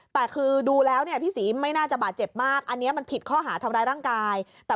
แต่คือดูแล้วเนี่ยพี่ศรีไม่น่าจะบาดเจ็บมากอันนี้มันผิดข้อหาทำร้ายร่างกาย